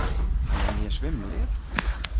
Ha jo nea swimmen leard?